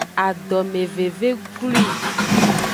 Adomeveve glwi.